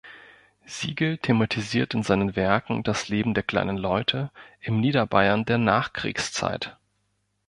Sigl thematisiert in seinen Werken das Leben der "kleinen Leute" im Niederbayern der Nachkriegszeit.